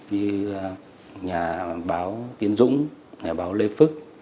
như nhà báo tiến dũng nhà báo lê phức